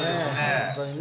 本当にね。